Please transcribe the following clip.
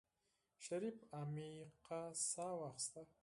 شريف عميقه سا واخيسته.